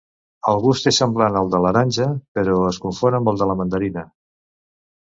El gust és semblant al de l'aranja, però es confon amb el de la mandarina.